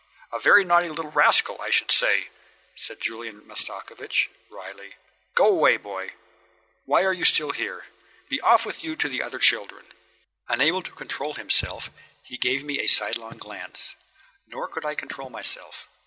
"A very naughty little rascal, I should say," said Julian Mastakovich, wryly. "Go away, boy. Why are you here still? Be off with you to the other children." Unable to control himself, he gave me a sidelong glance. Nor could I control myself.